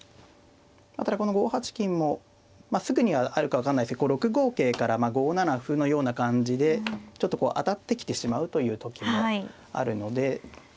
ただこの５八金もすぐにはあるか分かんないですけど６五桂から５七歩のような感じでちょっとこう当たってきてしまうという時もあるので。